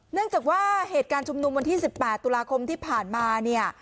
เนื่องจากว่าเหตุการณ์ชุมนุมวันที่๑๘ตุลาคมที่ผ่านมาเนี่ย